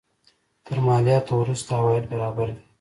تر مالیاتو وروسته عواید برابر دي.